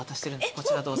こちらどうぞ。